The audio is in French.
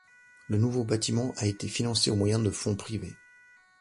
Le nouveau bâtiment a été financé au moyen de fonds privés.